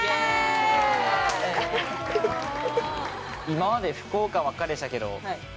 今まで福岡ばっかりでしたけど。